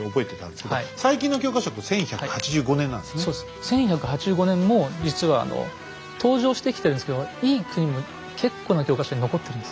１１８５年も実は登場してきてるんですけど「いい国」も結構な教科書に残ってるんです。